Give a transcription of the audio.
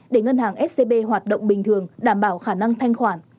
để ngân hàng scb hoạt động bình thường đảm bảo khả năng thanh khoản